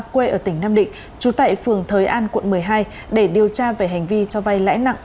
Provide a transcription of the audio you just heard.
quê ở tỉnh nam định trú tại phường thới an quận một mươi hai để điều tra về hành vi cho vay lãi nặng